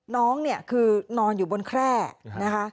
น้องเนี่ยคือนอนอยู่บนแคร่นะคะ